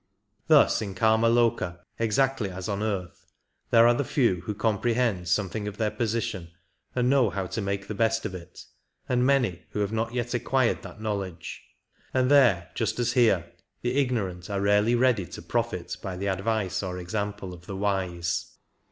Thus in Kama loka, exactly as on earth, there are the few who comprehend something of their position and know how to make the best of it, and the many who have not yet acquired that know ledge ; and there, just as here, the ignorant are rarely ready to profit by the advice or example of the wise.